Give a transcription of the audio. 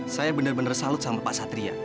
saya benar benar salut sama pak satria